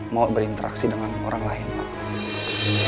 mau berinteraksi dengan orang lain pak